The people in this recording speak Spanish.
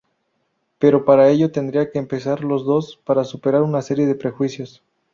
Pero para ello tendrán que empezar los dos por superar una serie de prejuicios.